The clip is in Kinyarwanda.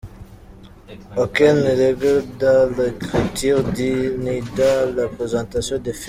Aucune rigueur dans l’écriture, ni dans la présentation des faits.